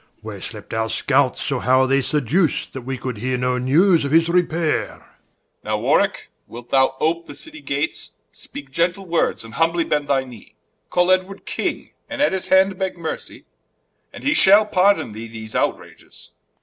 Where slept our Scouts, or how are they seduc'd, That we could heare no newes of his repayre Edw. Now Warwicke, wilt thou ope the Citie Gates, Speake gentle words, and humbly bend thy Knee, Call Edward King, and at his hands begge Mercy, And he shall pardon thee these Outrages?